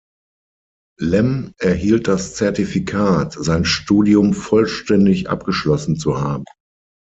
Lem erhielt das Zertifikat, sein Studium vollständig abgeschlossen zu haben.